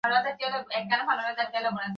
ফিটজরয়ের লোককে কাজই দেওয়া ঠিক হয়নি।